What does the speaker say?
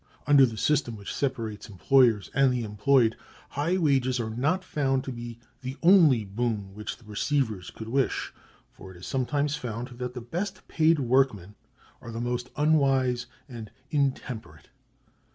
Under the system which separates employers and the employed, high wages are not found to be the only boon which the receivers could wish; for it is sometimes found that the best paid workmen are the most unwise and intemperate.